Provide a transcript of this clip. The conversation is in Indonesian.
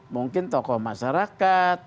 mungkin tokoh masyarakat